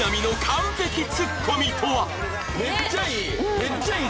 めっちゃいい！